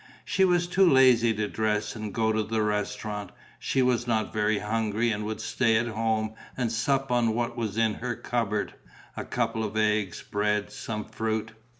She was too lazy to dress and go to the restaurant. She was not very hungry and would stay at home and sup on what was in her cupboard: a couple of eggs, bread, some fruit.